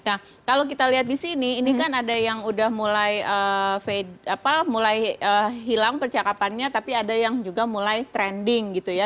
nah kalau kita lihat di sini ini kan ada yang udah mulai hilang percakapannya tapi ada yang juga mulai trending gitu ya